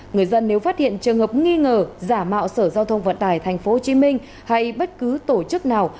người dân nếu phát hiện trường hợp nghi ngờ giả mạo sở giao thông vận tải tp hcm hay bất cứ tổ chức nào